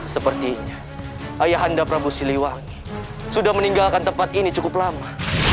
sepertinya ayah anda prabu siliwangi sudah meninggalkan tempat ini cukup lama